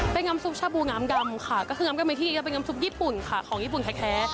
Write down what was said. เป็นน้ำซุปชาบูงามดำค่ะก็คือน้ำกะเมที่จะเป็นน้ำซุปญี่ปุ่นค่ะของญี่ปุ่นแท้